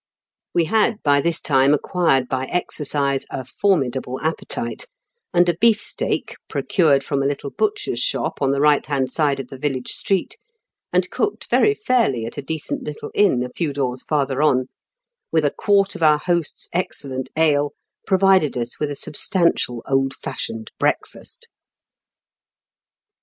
We had by this time acquired by exercise a formidable appe tite, and a beef steak, procured from a little butcher's shop on the right hand side of the village street, and cooked very fairly at a decent little inn a few doors farther on, with a quart of our host's excellent ale, provided us with a substantial old fashioned breakfast.